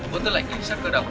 quân tư lệnh cảnh sát cơ động